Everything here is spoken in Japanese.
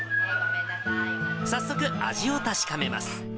早速、味を確かめます。